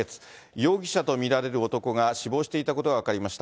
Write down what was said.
容疑者と見られる男が死亡していたことが分かりました。